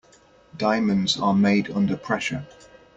Diamonds are made under pressure.